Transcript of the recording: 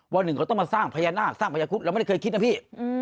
วันหนึ่งเขาต้องมาสร้างพญานาคสร้างพญาคุธเราไม่ได้เคยคิดนะพี่